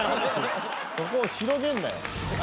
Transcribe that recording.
そこを広げんなよ。